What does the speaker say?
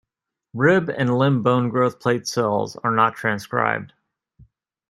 Rib and limb bone growth plate cells are not transcribed.